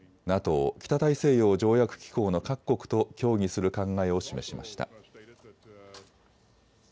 ＮＡＴＯ・北大西洋条約機構の各国と協議する考えを示しました。